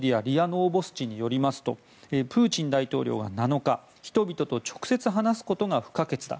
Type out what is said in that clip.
ノーボスチによりますとプーチン大統領は７日人々と直接話すことが不可欠だ。